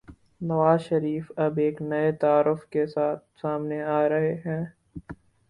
نوازشریف اب ایک نئے تعارف کے ساتھ سامنے آرہے ہیں۔